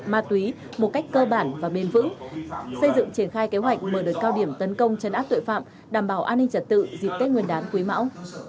ma túy một cách cơ bản và bền vững xây dựng triển khai kế hoạch mở đợt cao điểm tấn công chấn áp tội phạm đảm bảo an ninh trật tự dịp tết nguyên đán quý mão